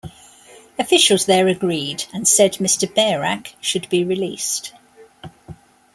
Officials there agreed, and said Mr. Bearak should be released.